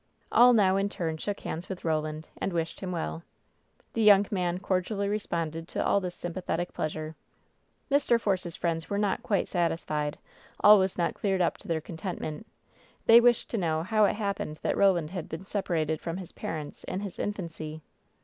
All now in turn shook hands with Roland, and wished him well. The young man cordially responded to all this sympa thetic pleasure. Mr. Force's friends were not quite satisfied — all was not cleared up to their contentment. They wished to know how it happened that Roland had been separated from his parents in his infancy.